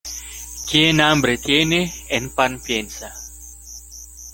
Quien hambre tiene, en pan piensa.